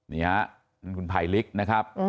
นี่คุณภัยลิกนะครับ